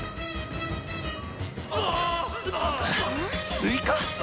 スイカ？